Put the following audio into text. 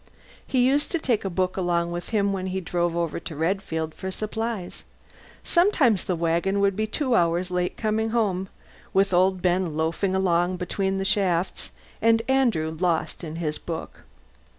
He used to take a book along with him when he drove over to Redfield for supplies; sometimes the wagon would be two hours late coming home, with old Ben loafing along between the shafts and Andrew lost in his book.